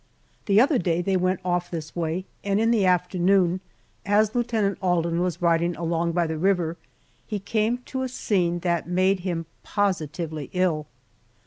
The other day they went off this way, and in the afternoon, as Lieutenant Alden was riding along by the river, he came to a scene that made him positively ill.